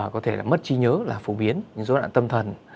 có thể là mất trí nhớ là phổ biến những dấu đoạn tâm thần